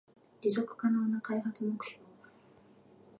持続可能な開発目標